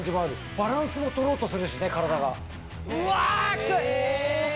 バランスも取ろうとするしね体が。うわキツい！